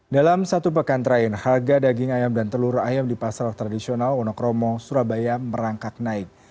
dalam satu pekan terakhir harga daging ayam dan telur ayam di pasar tradisional wonokromo surabaya merangkak naik